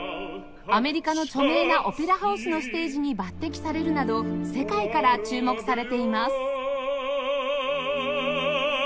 アメリカの著名なオペラハウスのステージに抜擢されるなど世界から注目されています